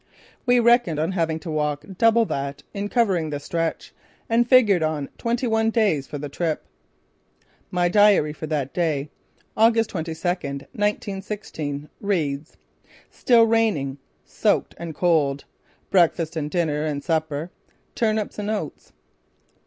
We reckoned on having to walk double that in covering the stretch, and figured on twenty one days for the trip. My diary for that day, August 22, 1916, reads: "Still raining. Soaked and cold. Breakfast, dinner and supper: turnips and oats."